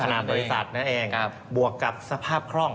บริษัทนั่นเองบวกกับสภาพคล่อง